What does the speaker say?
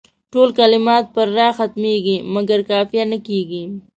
ټول کلمات پر راء ختمیږي مګر قافیه نه کیږي.